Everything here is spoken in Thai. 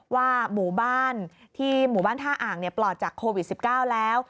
ว่าหมู่บ้านท่าอ่างปลอดจากโควิด๑๙แล้ว